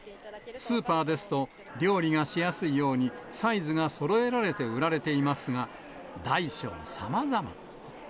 スーパーですと、料理がしやすいように、サイズがそろえられて売られていますが、大小さまざま。